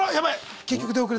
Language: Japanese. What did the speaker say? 結局出遅れてる。